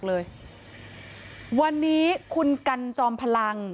เหตุการณ์เกิดขึ้นแถวคลองแปดลำลูกกา